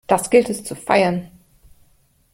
Das gilt es zu feiern!